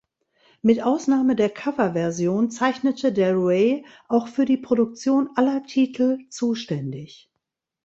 Mit Ausnahme der Coverversion zeichnete Del Rey auch für die Produktion aller Titel zuständig.